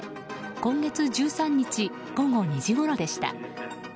今月１３日、午後２時ごろでした。